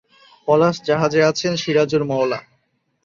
পলাশ জাহাজে আছেন সিরাজুল মওলা।